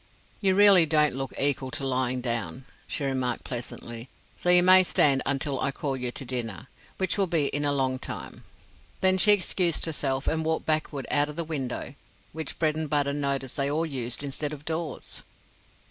"You really don't look equal to lying down," she remarked, pleasantly; "so you may stand until I call you to dinner, which will be in a long time." Then she excused herself and walked backward out of the window, which Bredenbutta noticed they all used instead of doors.